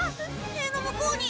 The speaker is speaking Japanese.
へいの向こうに。